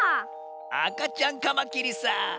あかちゃんカマキリさ。